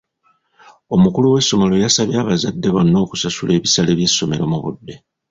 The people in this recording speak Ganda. Omukulu w'essomero yasabye abazadde bonna okusasula ebisale by'essomero mu budde.